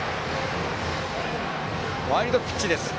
ワイルドピッチです。